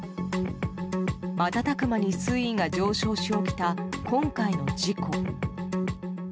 瞬く間に水位が上昇し、起きた今回の事故。